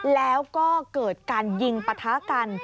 แล้วก็เกิดการยิงปะทะกัน